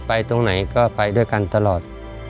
ตรงไหนก็ไปด้วยกันตลอด